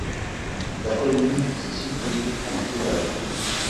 La commune se subdivise en dix villages.